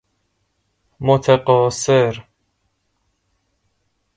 متقاصر